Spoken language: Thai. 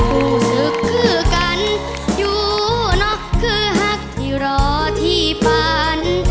รู้สึกคือกันอยู่เนอะคือฮักที่รอที่ฝัน